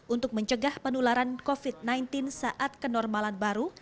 untuk mencegah penularan covid sembilan belas saat kenormalan baru